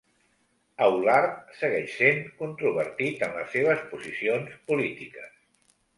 Aulard segueix sent controvertit en les seves posicions polítiques.